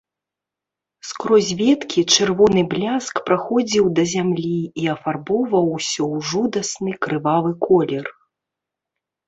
Скрозь веткі чырвоны бляск праходзіў да зямлі і афарбоўваў усё ў жудасны крывавы колер.